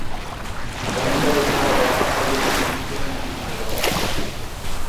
هؤلاء الطلبة حقا ليس بإمكانهم القراءة.